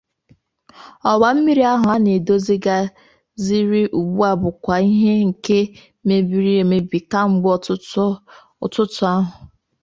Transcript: Ọwàmmiri ahụ a na-edozigharịzị ugbua bụkwa nke mebiri emebi kemgbe ọtụtụ ahọ